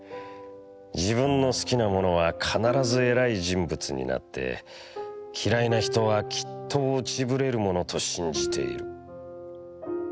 自分の好きなものは必ずえらい人物になって、嫌いなひとはきっと落ち振れるものと信じている。